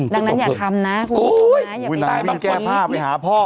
ดังนั้นอย่าทำนะ